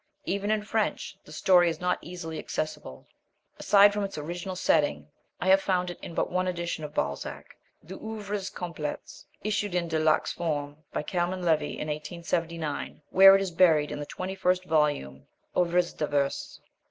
Even in French the story is not easily accessible. Aside from its original setting I have found it in but one edition of Balzac, the OEuvres Complètes issued in de luxe form by Calmann Levy in 1879, where it is buried in the twenty first volume, OEuvres Diverses.